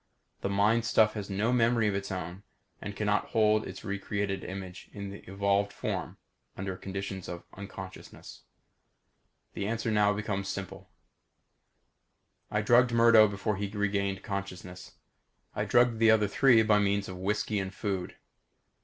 The mind stuff has no memory of its own and cannot hold its recreated image in the evolved form under conditions of unconsciousness. The answer now becomes simple. I drugged Murdo before he regained consciousness. I drugged the other three by means of whisky and food.